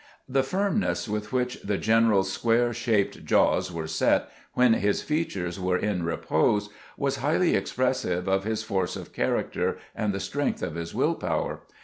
The firmness with which the general's square shaped jaws were set when his features were in repose was highly expressive of his force of character and the strength of his will power.